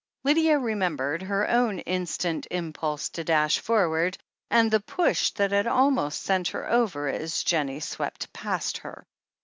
Lydia remembered her own instant impulse to dash forward, and the push, that had almost sent her over, as Jennie swept past her.